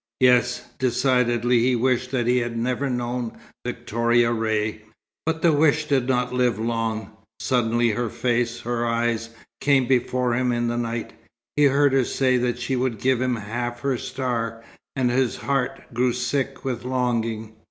Yes, decidedly he wished that he had never known Victoria Ray. But the wish did not live long. Suddenly her face, her eyes, came before him in the night. He heard her say that she would give him "half her star," and his heart grew sick with longing.